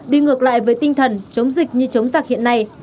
đi ngược lại với tinh thần chống dịch như chống giặc hiện nay